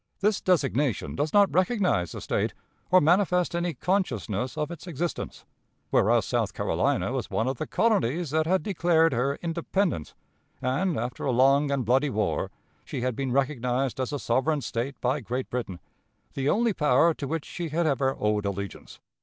This designation does not recognize the State, or manifest any consciousness of its existence, whereas South Carolina was one of the colonies that had declared her independence, and, after a long and bloody war, she had been recognized as a sovereign State by Great Britain, the only power to which she had ever owed allegiance.